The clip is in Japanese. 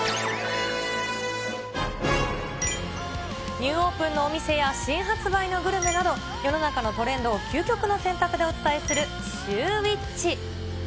ニューオープンのお店や、新発売のグルメなど、世の中のトレンドを究極の選択でお伝えするシューＷｈｉｃｈ。